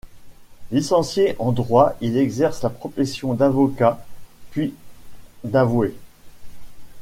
Licencié en droit, il exerce la profession d'avocat, puis d'avoué.